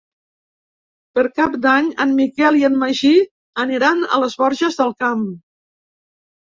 Per Cap d'Any en Miquel i en Magí aniran a les Borges del Camp.